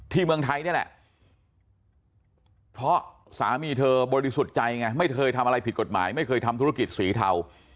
เมืองไทยนี่แหละเพราะสามีเธอบริสุทธิ์ใจไงไม่เคยทำอะไรผิดกฎหมายไม่เคยทำธุรกิจสีเทา